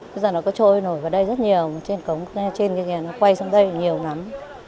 bây giờ nó có trôi nổi vào đây rất nhiều trên cống trên kia nó quay xuống đây nhiều lắm